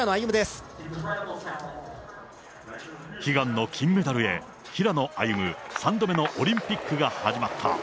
悲願の金メダルへ、平野歩夢３度目のオリンピックが始まった。